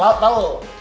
saya pengen tau